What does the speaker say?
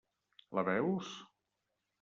La veus?